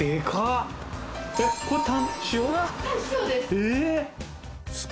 えっ！？